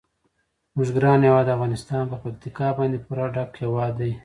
زموږ ګران هیواد افغانستان په پکتیکا باندې پوره ډک هیواد دی.